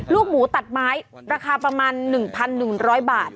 ลูกหมูตัดไม้ราคาประมาณ๑๑๐๐บาท